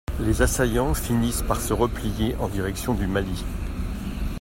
Les assaillants finissent par se replier en direction du Mali.